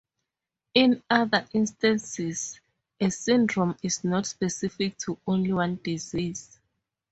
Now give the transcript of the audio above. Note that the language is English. In other instances, a syndrome is not specific to only one disease.